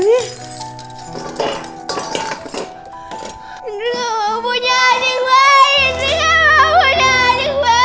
indri gak mau punya adik bayi indri gak mau punya adik bayi